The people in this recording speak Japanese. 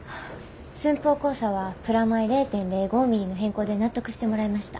寸法公差はプラマイ０．０５ミリの変更で納得してもらいました。